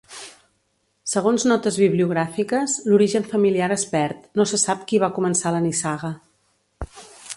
Segons notes bibliogràfiques, l'origen familiar es perd, no se sap qui va començar la nissaga.